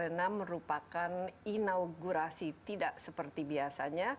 yang merupakan inaugurasi tidak seperti biasanya